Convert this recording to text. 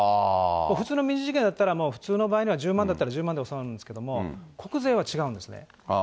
普通の民事事件だったら、もう普通の場合には１０万だったら１０万でもそうなんですけど、国税は違うんですね。